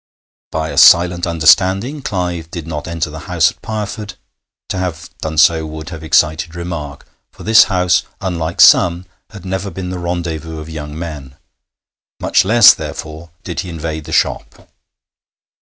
By a silent understanding Clive did not enter the house at Pireford; to have done so would have excited remark, for this house, unlike some, had never been the rendezvous of young men; much less, therefore, did he invade the shop.